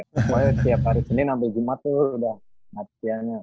pokoknya setiap hari senin sampai jumat tuh udah latihannya